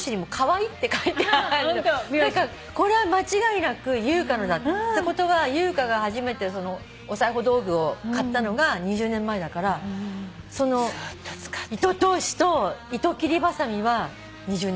これは間違いなく優香のだってことは優香が初めてお裁縫道具を買ったのが２０年前だからその糸通しと糸切りばさみは２０年前。